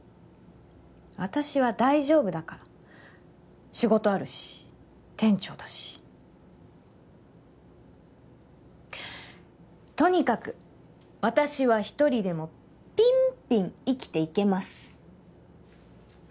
私は大丈夫だから仕事あるし店長だしとにかく私は一人でもピンピン生きていけます